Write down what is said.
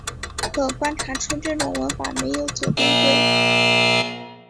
可观察出这种文法没有左递归。